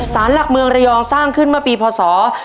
สานหลักเมืองไรยองค์สร้างขึ้นมาปีพศ๒๔๓๘